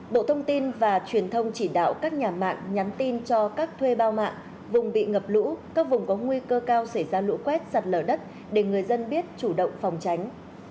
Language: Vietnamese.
bộ thông tin và truyền thông chỉ đạo các nhà mạng nhắn tin cho các thuê bao mạng vùng bị ngập lũ các vùng có nguy cơ cao xảy ra lũ quét sạt lở đất để người dân biết chủ động phòng tránh